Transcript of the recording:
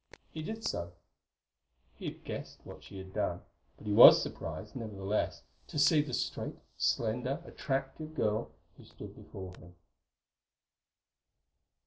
He did so. He had guessed what she had done, but he was surprised, nevertheless, to see the straight, slender, attractive girl who stood before him.